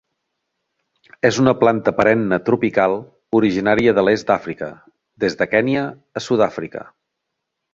És una planta perenne tropical originària de l'est d'Àfrica, des de Kenya a Sud-àfrica.